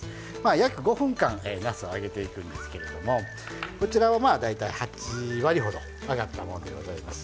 約５分間なすを揚げていくんですけれどもこちらはまあ大体８割ほど揚がったもんでございます。